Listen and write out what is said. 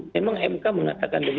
memang mk mengatakan